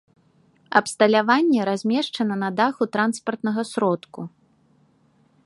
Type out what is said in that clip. Абсталяванне размешчана на даху транспартнага сродку.